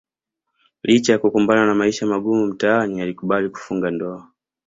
Licha ya kukumbana na maisha magumu mtaani alikubali kufunga ndoa